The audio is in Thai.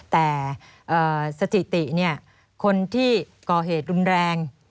แต่สถิติคนที่ก่อเหตุรุนแรง